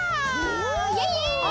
イエイイエイ！